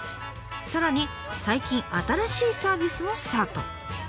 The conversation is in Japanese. さらに最近新しいサービスもスタート。